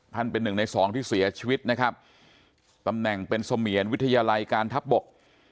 เป็นหนึ่งในสองที่เสียชีวิตนะครับตำแหน่งเป็นเสมียรวิทยาลัยการทัพบก